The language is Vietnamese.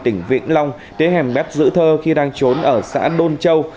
tỉnh viễn long tới hẻm mép dữ thơ khi đang trốn ở xã đôn châu